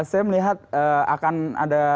saya melihat akan ada